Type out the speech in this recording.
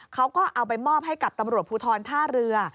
เขาก็เอาไปมอบให้กับตำรวจภูทรท่าเรือ